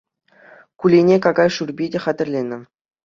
Кулине какай шӳрпи те хатӗрленӗ.